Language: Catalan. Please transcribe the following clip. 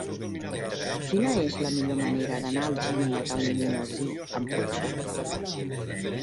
Quina és la millor manera d'anar a Algímia d'Almonesir amb cotxe?